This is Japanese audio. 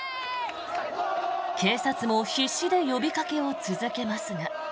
警察も必死で呼びかけを続けますが。